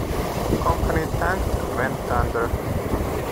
The company tanked and went under.